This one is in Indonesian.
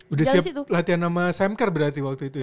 udah siap latihan sama samcar berarti waktu itu ya